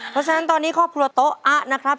เพราะฉะนั้นตอนนี้ครอบครัวโต๊ะอะนะครับ